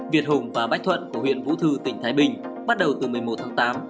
việt hùng và bách thuận của huyện vũ thư tỉnh thái bình bắt đầu từ một mươi một tháng tám